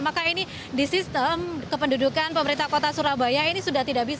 maka ini di sistem kependudukan pemerintah kota surabaya ini sudah tidak bisa